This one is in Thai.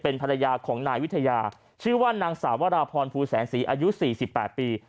ภรรยาของนายวิทยาชื่อว่านางสาวราพรภูแสนศรีอายุ๔๘ปี